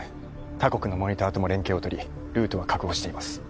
他国のモニターとも連携を取りルートは確保しています